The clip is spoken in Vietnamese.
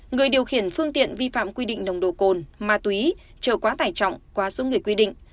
người điều khiển phương tiện vi phạm quy định nồng độ cồn ma túy trở quá tải trọng quá số người quy định